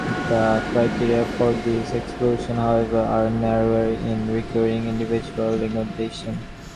The criteria for this exclusion, however, are narrower in requiring individual negotiation.